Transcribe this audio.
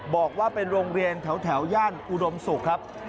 บอกว่าเป็นโรงเรียนแถวย่านอุดมศุกร์ครับ